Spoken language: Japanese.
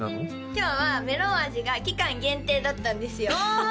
今日はメロン味が期間限定だったんですよ